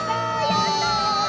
やった！